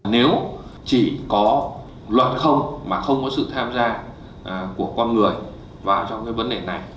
nếu chỉ có luật không mà không có sự tham gia của con người vào trong cái vấn đề này